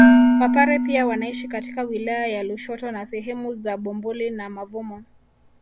Wapare pia wanaishi katika wilaya ya Lushoto na sehemu za Bumbuli na Mavumo